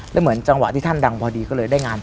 แล้วเหมือนจังหวะที่ท่านดังพอดีก็เลยได้งาน